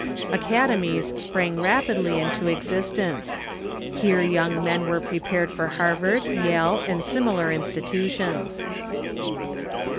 Academies sprang rapidly into existence. Here young men were prepared for Harvard, Yale, and similar institutions.